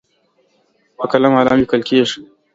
په قلم علم لیکل کېږي.